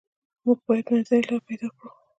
موږ باید منځنۍ لار پیدا کړو.